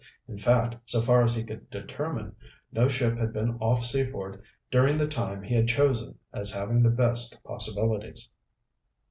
In fact, so far as he could determine, no ship had been off Seaford during the time he had chosen as having the best possibilities.